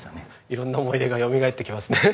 色んな思い出がよみがえってきますね。